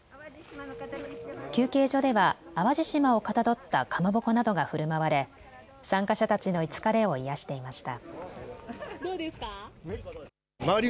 休憩所では淡路島をかたどったかまぼこなどがふるまわれ参加者たちの疲れを癒やしていました。